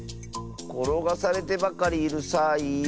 ころがされてばかりいるサイ